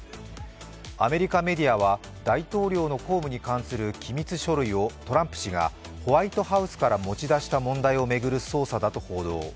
アメリカメディアは大統領の公務に関する機密書類をトランプ氏がホワイトハウスから持ち出した問題を巡る捜査だと報道。